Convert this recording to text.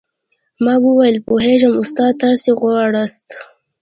ما وويل پوهېږم استاده تاسې غواړاست.